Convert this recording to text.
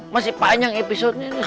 masih panjang episodenya nih